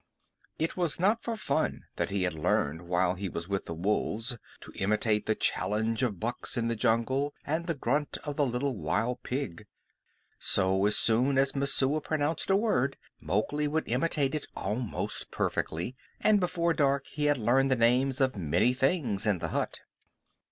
It was not for fun that he had learned while he was with the wolves to imitate the challenge of bucks in the jungle and the grunt of the little wild pig. So, as soon as Messua pronounced a word Mowgli would imitate it almost perfectly, and before dark he had learned the names of many things in the hut.